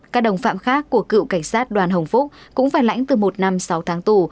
các đồng phạm khác của cựu cảnh sát đoàn hồng phúc cũng phải lãnh từ một năm sáu tháng tù